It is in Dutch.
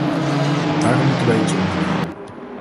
Daarom moeten wij iets ondernemen.